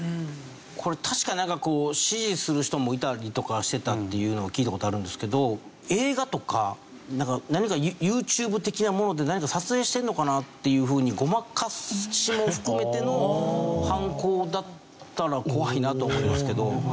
これ確か指示する人もいたりとかしてたっていうのを聞いた事あるんですけど映画とかＹｏｕＴｕｂｅ的なもので何か撮影してるのかな？っていうふうにごまかしも含めての犯行だったら怖いなと思いますけど。